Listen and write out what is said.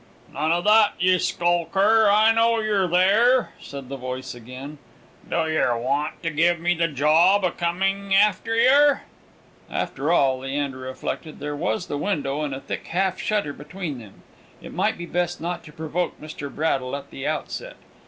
"None o' that, yer skulker; I know yer there!" said the voice again. "Do yer want to give me the job o' coming after yer?" After all, Leander reflected, there was the window and a thick half shutter between them. It might be best not to provoke Mr. Braddle at the outset.